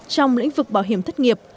trong lĩnh vực bảo hiểm thất nghiệp